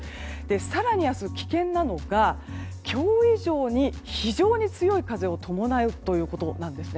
更に明日、危険なのが今日以上に非常に強い風を伴うということなんですね。